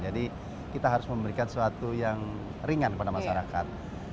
jadi kita harus memberikan sesuatu yang ringan kepada masyarakat